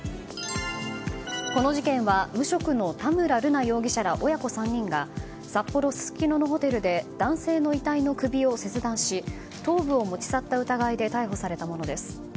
この事件は無職の田村瑠奈容疑者ら親子３人が札幌すすきののホテルで男性の遺体の首を切断し頭部を持ち去った疑いで逮捕されたものです。